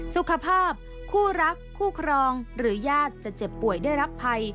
สุขภาพคู่รักคู่ครองหรือญาติจะเจ็บป่วยได้รับภัย